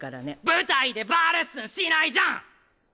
舞台でバーレッスンしないじゃん！